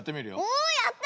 おおやった！